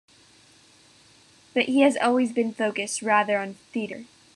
But he has always been focused rather on theatre.